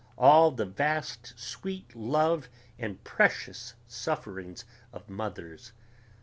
all the vast sweet love and precious sufferings of mothers